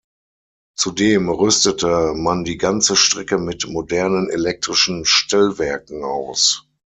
Zudem rüstete man die ganze Strecke mit modernen elektrischen Stellwerken aus.